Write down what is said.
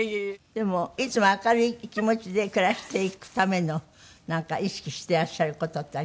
でもいつも明るい気持ちで暮らしていくためのなんか意識してらっしゃる事ってあります？